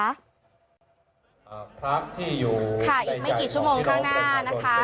ค่ะอีกไม่กี่ชั่วโมงข้างหน้านะคะ